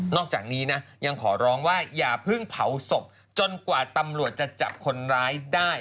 อกจากนี้นะยังขอร้องว่าอย่าเพิ่งเผาศพจนกว่าตำรวจจะจับคนร้ายได้